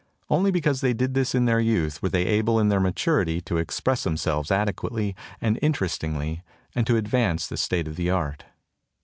Only because they did this in their youth were they able in their maturity to express them selves adequately and interestingly and to ad vance the state of the art.